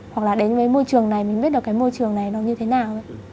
hoặc là đến với môi trường này mình biết được cái môi trường này nó như thế nào